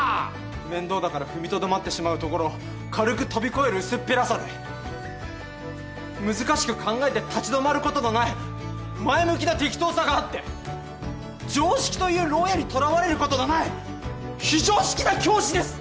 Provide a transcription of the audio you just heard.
面倒だから踏みとどまってしまうところを軽く飛び越える薄っぺらさで難しく考えて立ち止まることのない前向きな適当さがあって常識という牢屋にとらわれることのない非常識な教師です！